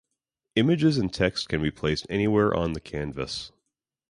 Images and text can be placed anywhere on the canvas.